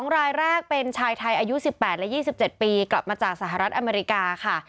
รายแรกเป็นชายไทยอายุ๑๘และ๒๗ปีกลับมาจากสหรัฐอเมริกาค่ะ